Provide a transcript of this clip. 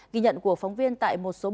ghi nhận của phóng viên tại một số bưu quản lý